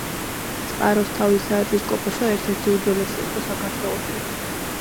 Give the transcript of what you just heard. წყაროსთავის საეპისკოპოსო ერთ-ერთი უძველესი იყო საქართველოში.